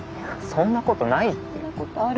そんなことないって。